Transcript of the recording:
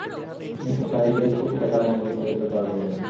তুমি চাইলে সোফি টাকারের মতো বিখ্যাত হতে পারবে।